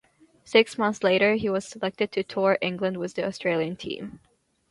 Six months later, he was selected to tour England with the Australian team.